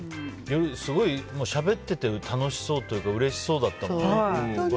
すごい、しゃべってて楽しそうっていうかうれしそうだったもんね。